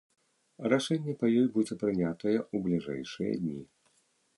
Рашэнне па ёй будзе прынятае ў бліжэйшыя дні.